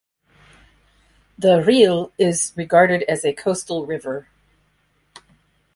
The Risle is regarded as a coastal river.